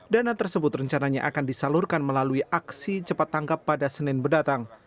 dana tersebut rencananya akan disalurkan melalui aksi cepat tangkap pada senin berdatang